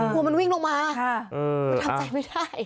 กลัวมันวิ่งลงมามันทำใจไม่ได้